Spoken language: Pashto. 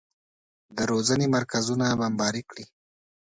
د روزنې مرکزونه بمباري کړي.